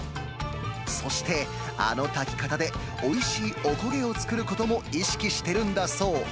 そして、あの炊き方でおいしいおこげを作ることも意識してるんだそう。